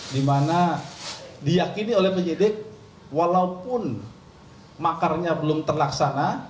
dimana diyakini oleh penyedek walaupun makarnya belum terlaksana